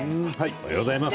おはようございます。